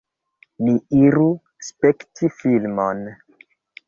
Ni iru spekti filmon.